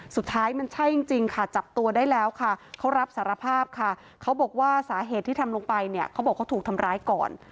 สุดท้ายมันใช่จริงค่ะจับตัวได้แล้วค่ะเขารับสารภาพค่ะเขาบอกว่าสาเหตุที่ทำลงไปเนี่ยเขาบอกเขาถูกทำร้ายก่อน